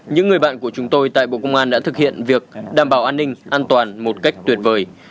những người bạn của chúng tôi tại bộ công an đã thực hiện việc đảm bảo an ninh an toàn một cách tuyệt vời